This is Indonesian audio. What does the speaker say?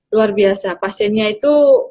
luar biasa pasiennya itu